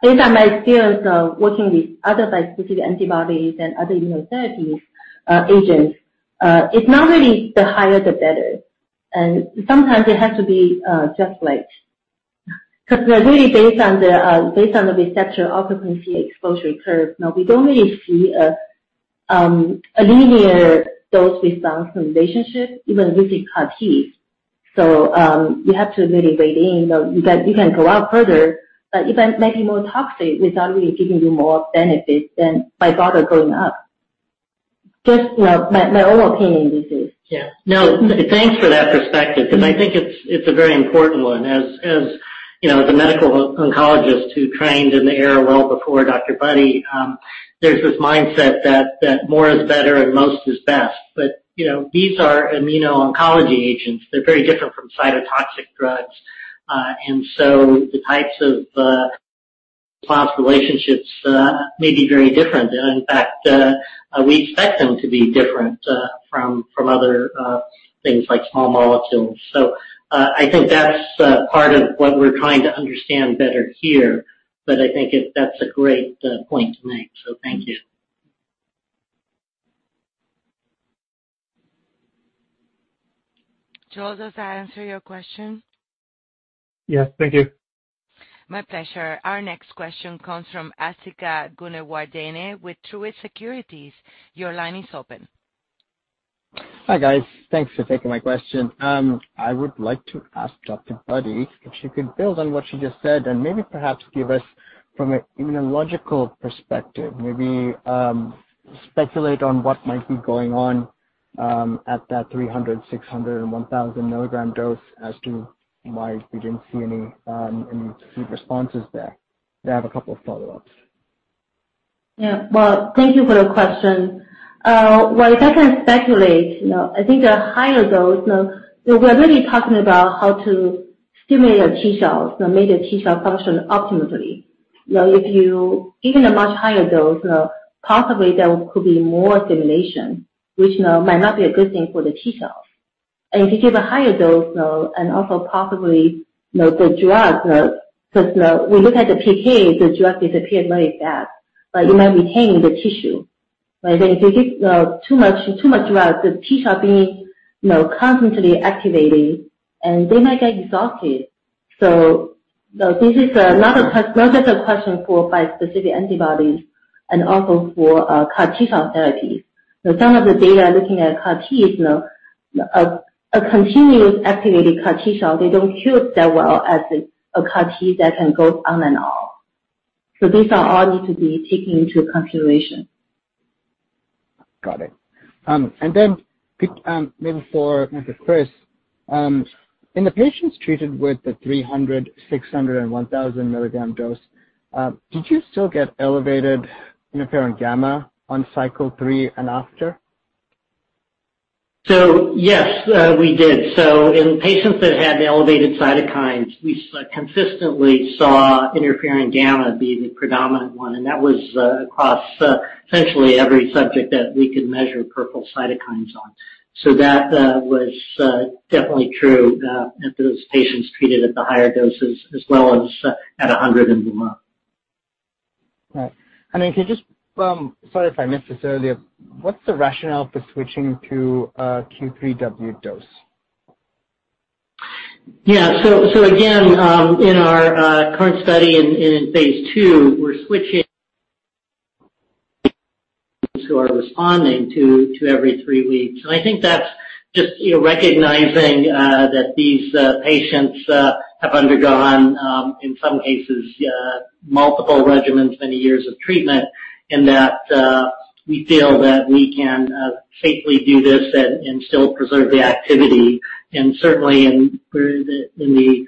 Based on my experience of working with other bispecific antibodies and other immunotherapies, agents, it's not really the higher the better. Sometimes it has to be just right 'cause they're really based on the receptor occupancy exposure curve. You know, we don't really see a linear dose-response relationship, even with the CAR T. You have to really weigh in. You know, you can go out further, but you can maybe more toxic without really giving you more benefit than by further going up. Just, you know, my own opinion, this is. Yeah. No, thanks for that perspective 'cause I think it's a very important one. As you know, as a medical oncologist who trained in the era well before Dr. Budde, there's this mindset that more is better and most is best. You know, these are immuno-oncology agents. They're very different from cytotoxic drugs. And so the types of causal relationships may be very different. In fact, we expect them to be different from other things like small molecules. I think that's part of what we're trying to understand better here. I think that's a great point to make. Thank you. Joel, does that answer your question? Yes. Thank you. My pleasure. Our next question comes from Asthika Goonewardene with Truist Securities. Your line is open. Hi, guys. Thanks for taking my question. I would like to ask Dr. Budde if she could build on what she just said and maybe perhaps give us from an immunological perspective, maybe, speculate on what might be going on at that 300, 600, and 1000 milligram dose as to why we didn't see any steep responses there. I have a couple of follow-ups. Yeah. Well, thank you for the question. Well, if I can speculate, you know, I think the higher dose, you know, we're really talking about how to stimulate the T cells, you know, make the T cell function optimally. You know, even a much higher dose, you know, possibly there could be more stimulation, which, you know, might not be a good thing for the T cells. If you give a higher dose, you know, and also possibly, you know, the drug, you know, because, you know, we look at the PK, the drug disappeared very fast, but it might be hanging in the tissue. Like, if you give too much drug, the T cell be, you know, constantly activating, and they might get exhausted. You know, this is another question for bispecific antibodies and also for CAR T-cell therapies. You know, some of the data looking at CAR T is, you know, a continuous activated CAR T cell. They don't cure that well as a CAR T that can go on and off. These are all need to be taken into consideration. Got it. Maybe for Dr. Chris. In the patients treated with the 300-, 600-, and 1,000-mg dose, did you still get elevated interferon-gamma on cycle 3 and after? Yes, we did. In patients that had elevated cytokines, we consistently saw interferon-gamma be the predominant one, and that was across essentially every subject that we could measure peripheral cytokines on. That was definitely true that those patients treated at the higher doses as well as at 100 in the month. Right. Can you just, sorry if I missed this earlier, what's the rationale for switching to a Q3W dose? Again, in our current study in phase II, we're switching those who are responding to every three weeks. I think that's just you know recognizing that these patients have undergone in some cases multiple regimens, many years of treatment, and that we feel that we can safely do this and still preserve the activity. Certainly in the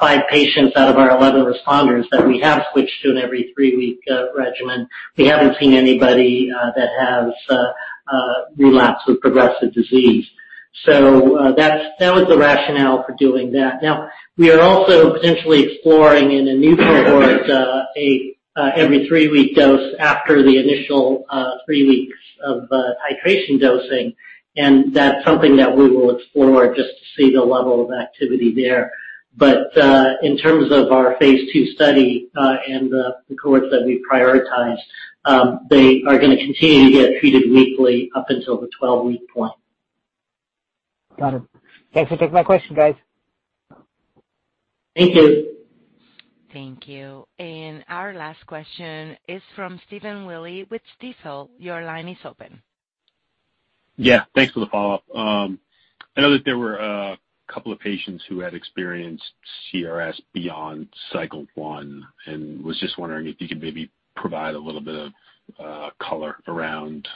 five patients out of our 11 responders that we have switched to an every three-week regimen, we haven't seen anybody that has relapsed with progressive disease. That's that was the rationale for doing that. Now, we are also potentially exploring in a new cohort, every three-week dose after the initial three weeks of titration dosing, and that's something that we will explore just to see the level of activity there. In terms of our phase II study, and the cohorts that we prioritize, they are gonna continue to get treated weekly up until the 12-week point. Got it. Thanks for taking my question, guys. Thank you. Thank you. Our last question is from Stephen Willey with Stifel. Your line is open. Yeah. Thanks for the follow-up. I know that there were a couple of patients who had experienced CRS beyond cycle one, and was just wondering if you could maybe provide a little bit of color around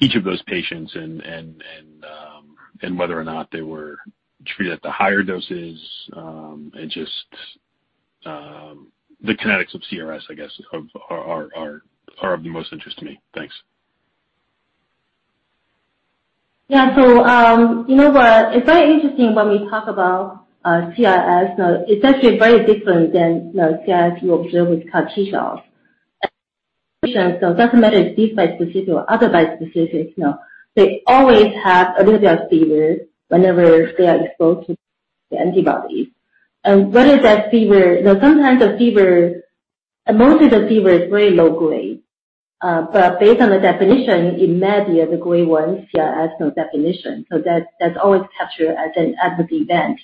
each of those patients and whether or not they were treated at the higher doses, and just the kinetics of CRS, I guess, are of the most interest to me. Thanks. Yeah. You know what? It's very interesting when we talk about CRS. Now it's actually very different than the CRS you observe with CAR T-cells. It doesn't matter if it's this specific or other specific, you know. They always have a little bit of fever whenever they are exposed to the antibody. Now sometimes the fever, mostly the fever is very low-grade. Based on the definition, it may be of the grade one CRS definition. That's always captured as an adverse event.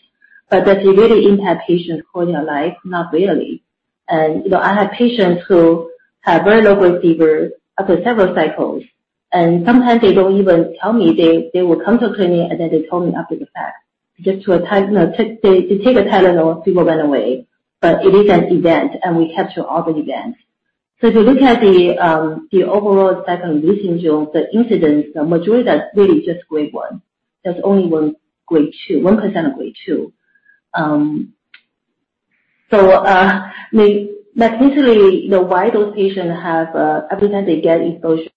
Does it really impact patients' whole life? Not really. You know, I have patients who have very low-grade fevers after several cycles, and sometimes they don't even tell me. They will come to clinic, and then they told me after the fact, just to a ti... You know, they take a Tylenol, fever went away. But it is an event, and we capture all the events. If you look at the overall CRS incidence, the majority of that's really just grade 1. There's only 1 grade 2, 1% of grade 2. Mechanistically, you know why those patients have every time they get exposure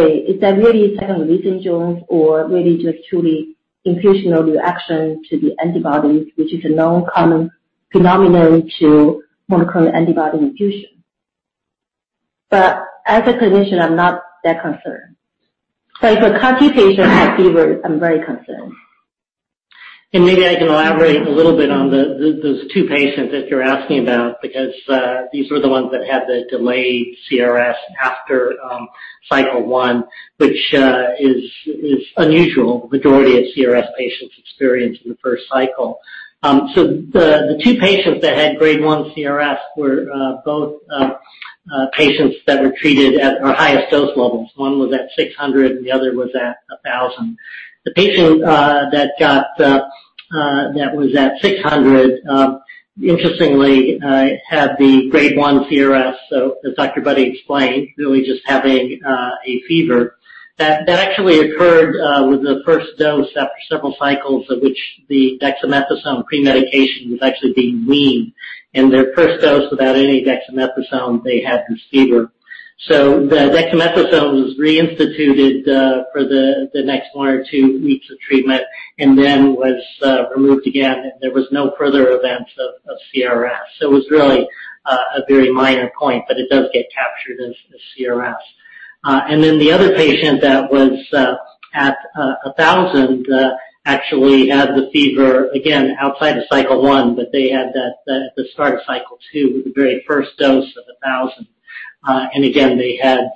is that really a second CRS or really just truly infusional reaction to the antibody, which is a known common phenomenon to monoclonal antibody infusion? But as a clinician, I'm not that concerned. If a CAR T patient has fever, I'm very concerned. Maybe I can elaborate a little bit on those two patients that you're asking about because these were the ones that had the delayed CRS after cycle one, which is unusual. Majority of CRS patients experience in the first cycle. The two patients that had grade one CRS were both patients that were treated at our highest dose levels. One was at 600 and the other was at 1,000. The patient that was at 600, interestingly, had the grade one CRS, so as Dr. Budde explained, really just having a fever. That actually occurred with the first dose after several cycles of which the dexamethasone pre-medication was actually being weaned. In their first dose without any dexamethasone, they had this fever. The dexamethasone was reinstituted for the next one or two weeks of treatment and then was removed again, and there was no further events of CRS. It was really a very minor point, but it does get captured as CRS. The other patient that was at 1000 actually had the fever again outside of cycle 1, but they had that at the start of cycle 2 with the very first dose of 1000. Again, they had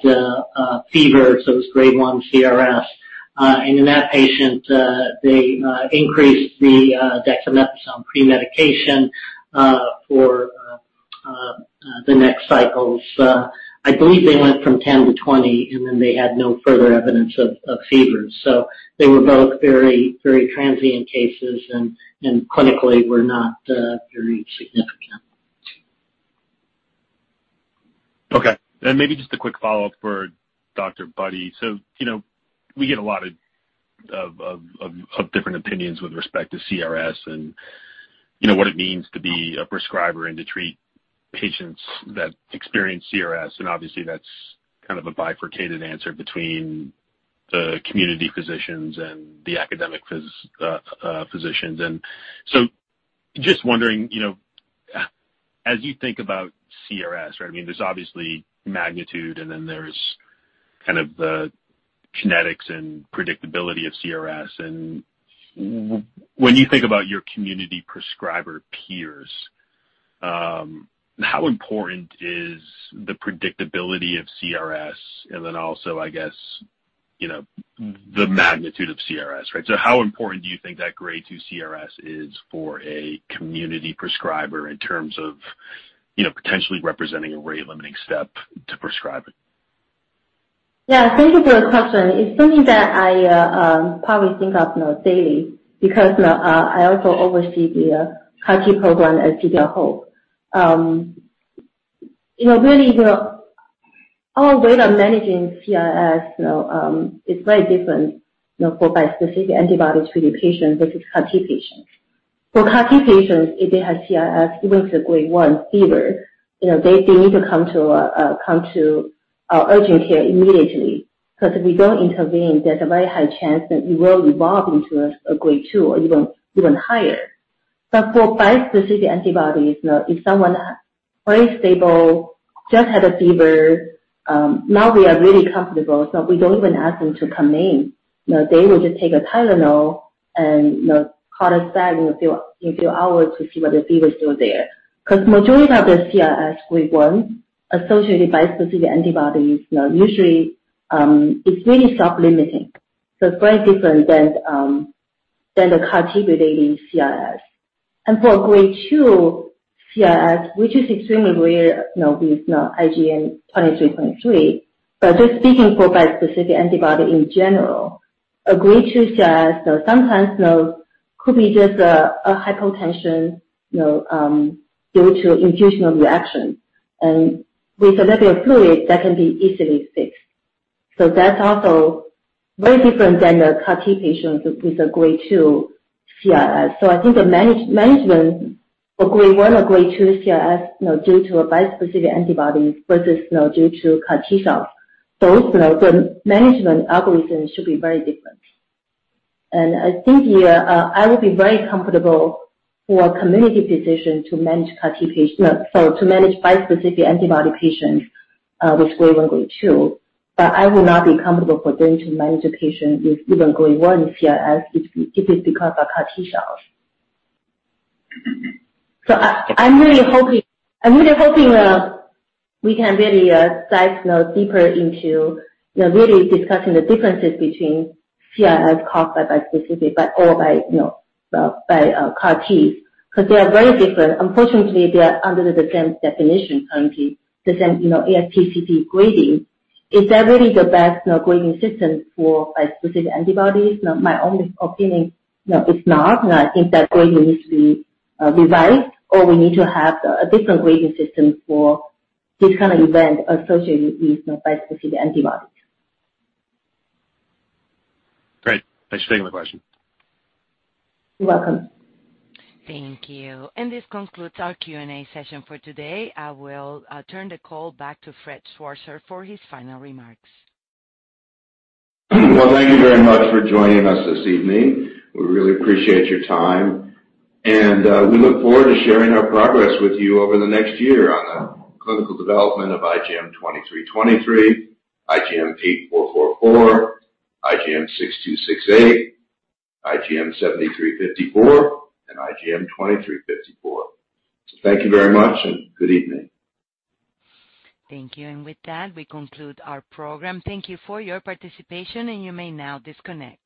fever, so it was grade 1 CRS. In that patient, they increased the dexamethasone pre-medication for the next cycles. I believe they went from 10 to 20, and then they had no further evidence of fevers. They were both very, very transient cases and clinically were not very significant. Okay. Maybe just a quick follow-up for Dr. Budde. You know, we get a lot of different opinions with respect to CRS and, you know, what it means to be a prescriber and to treat patients that experience CRS, and obviously that's kind of a bifurcated answer between the community physicians and the academic physicians. Just wondering, you know, as you think about CRS, right? I mean, there's obviously magnitude, and then there's kind of the kinetics and predictability of CRS. When you think about your community prescriber peers, how important is the predictability of CRS? Then also, I guess, you know, the magnitude of CRS, right? How important do you think that grade two CRS is for a community prescriber in terms of, you know, potentially representing a rate-limiting step to prescribe it? Yeah, thank you for the question. It's something that I probably think of, you know, daily because, you know, I also oversee the CAR T program at City of Hope. You know, really, our way of managing CRS, you know, is very different, you know, for bispecific antibody treated patients versus CAR T patients. For CAR T patients, if they have CRS, even if it's a grade one fever, you know, they need to come to our urgent care immediately. Because if we don't intervene, there's a very high chance that it will evolve into a grade two or even higher. But for bispecific antibodies, you know, if someone very stable just had a fever, now we are really comfortable, so we don't even ask them to come in. You know, they will just take a Tylenol and, you know, call us back in a few hours to see whether the fever is still there. 'Cause majority of the CRS grade 1 associated bispecific antibodies, you know, usually, it's really self-limiting. It's very different than the CAR T relating CRS. For grade 2 CRS, which is extremely rare, you know, with IGM2323, but just speaking for bispecific antibody in general, a grade 2 CRS, you know, sometimes, you know, could be just a hypotension, you know, due to infusion reaction. With a little bit of fluid, that can be easily fixed. That's also very different than the CAR T patients with a grade 2 CRS. I think the management for grade 1 or grade 2 CRS, you know, due to a bispecific antibody versus, you know, due to CAR T-cell, both, you know, the management algorithms should be very different. I think here, I would be very comfortable for a community physician to manage CAR T patient. No. To manage bispecific antibody patients with grade 1, grade 2, but I will not be comfortable for them to manage a patient with even grade 1 CRS if it's because of CAR T-cells. I'm really hoping we can really dive, you know, deeper into, you know, really discussing the differences between CRS caused by bispecifics or by CAR T, 'cause they are very different. Unfortunately, they are under the same definition currently, the same ASTCT grading. Is that really the best, you know, grading system for bispecific antibodies? You know, my own opinion, you know, it's not. I think that grading needs to be revised, or we need to have a different grading system for this kind of event associated with, you know, bispecific antibodies. Great. Thanks for taking my question. You're welcome. Thank you. This concludes our Q&A session for today. I will turn the call back to Fred Schwarzer for his final remarks. Well, thank you very much for joining us this evening. We really appreciate your time, and we look forward to sharing our progress with you over the next year on the clinical development of IGM 2323, IGM 8444, IGM 6268, IGM 7354, and IGM 2354. Thank you very much, and good evening. Thank you. With that, we conclude our program. Thank you for your participation, and you may now disconnect.